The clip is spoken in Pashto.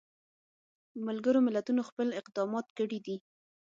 ملګرو ملتونو خپل اقدامات کړي دي.